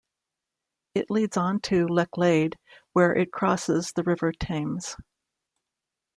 It leads on to Lechlade, where it crosses the River Thames.